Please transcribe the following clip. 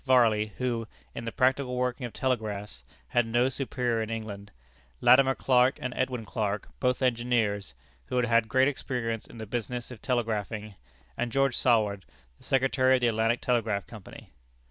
Varley, who, in the practical working of telegraphs, had no superior in England; Latimer Clark and Edwin Clark, both engineers, who had had great experience in the business of telegraphing; and George Saward, the Secretary of the Atlantic Telegraph Company.